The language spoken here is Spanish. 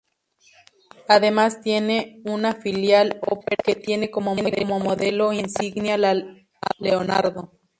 Además tiene una filial, Opera, que tiene como modelo insignia la Leonardo